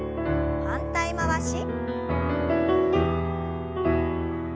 反対回し。